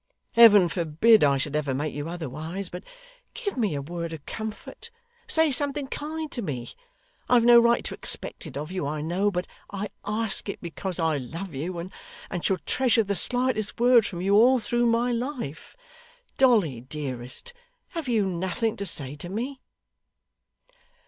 Heaven forbid I should ever make you otherwise; but give me a word of comfort. Say something kind to me. I have no right to expect it of you, I know, but I ask it because I love you, and shall treasure the slightest word from you all through my life. Dolly, dearest, have you nothing to say to me?